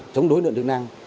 chống đối lượng chức năng